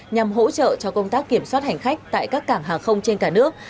nhằm hỗ trợ cho công tác kiểm soát hành khách tại các cảng hàng không trên cả nước